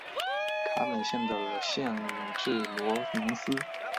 卡本县的县治罗林斯。